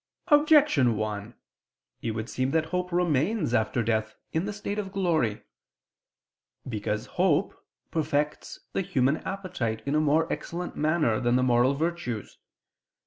Objection 1: It would seem that hope remains after death, in the state of glory. Because hope perfects the human appetite in a more excellent manner than the moral virtues.